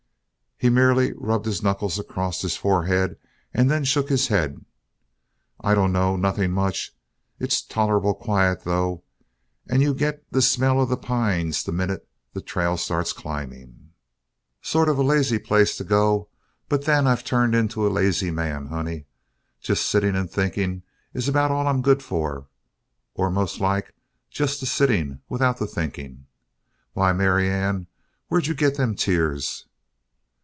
He merely rubbed his knuckles across his forehead and then shook his head. "I dunno. Nothing much. It's tolerable quiet, though. And you get the smell of the pines the minute the trail starts climbing. Sort of a lazy place to go, but then I've turned into a lazy man, honey. Just sitting and thinking is about all I'm good for, or most like just the sitting without the thinking. Why, Marianne, where'd you get them tears?"